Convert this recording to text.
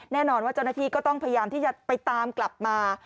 แน่นอนว่าเจ้าหน้าที่ก็ต้องพยายามที่จะไปตามกลับมา